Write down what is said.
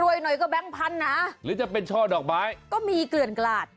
รวยหน่อยก็แบงพาค์นาหรือจะเป็นช่อดอกบ้ายก็มีเกลือนกลาด